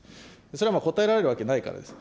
それは答えられるわけないからです。